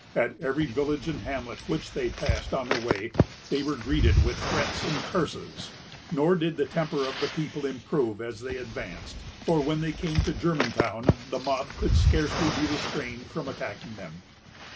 At every village and hamlet which they passed on their way, they were greeted with threats and curses; nor did the temper of the people improve as they advanced, for, when they came to Germantown, the mob could scarcely be restrained from attacking them.